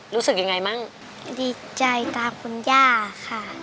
รู้สึกยังไงมั่งดีใจตาคุณย่าค่ะ